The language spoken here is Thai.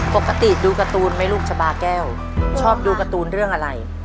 ปกติดูการ์ตูนไหมลูกชะบาแก้วชอบดูการ์ตูนเรื่องอะไร